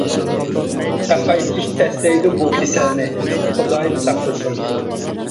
ساقايتىش تەس دەيدۇ بۇ كېسەلنى، خۇدايىم ساقلىسۇن.